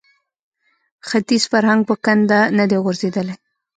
ختیز فرهنګ په کنده نه دی غورځېدلی